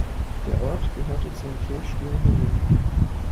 Der Ort gehörte zum Kirchspiel Höngen.